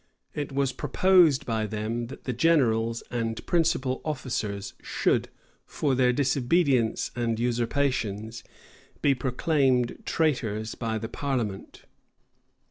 It was proposed by them, that the generals and principal officers should, for their disobedience and usurpations, be proclaimed traitors by the parliament.